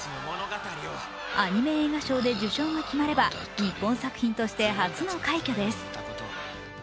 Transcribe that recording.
アニメ映画賞で受賞が決まれば日本作品として初の快挙です。